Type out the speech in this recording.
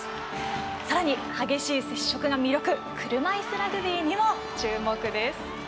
さらに、激しい接触が魅力の車いすラグビーにも注目です。